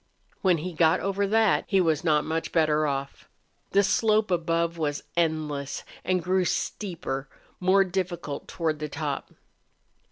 When he got over that he was not much better off. The slope above was endless and grew steeper, more difficult toward the top.